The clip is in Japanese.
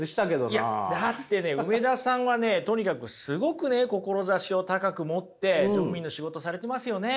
いやだってね梅田さんはねとにかくすごくね志を高く持って乗務員の仕事されてますよね。